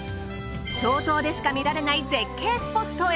道東でしか見られない絶景スポットへ。